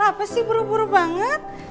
apa sih buru buru banget